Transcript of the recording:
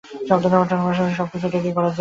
শব্দ পাঠানোর পাশাপাশি সবকিছু এটা দিয়ে করা যায়।